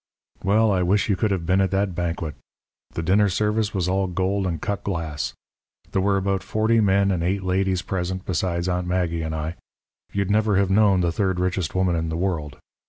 "Well, I wish you could have been at that banquet. The dinner service was all gold and cut glass. There were about forty men and eight ladies present besides Aunt Maggie and I. You'd never have known the third richest woman in the world.